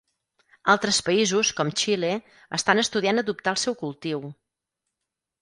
Altres països, com Xile, estan estudiant adoptar el seu cultiu.